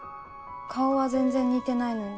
顔は全然似てないのに。